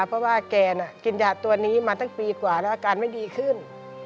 เพราะว่าแกน่ะกินยาตัวนี้มาตั้งปีกว่าแล้วอาการไม่ดีขึ้น